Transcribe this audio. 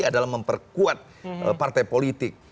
adalah memperkuat partai politik